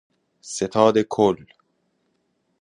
ستاد کل